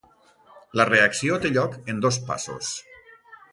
La reacció té lloc en dos passos.